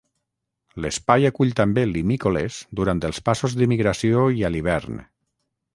L’espai acull també limícoles durant els passos de migració i a l'hivern.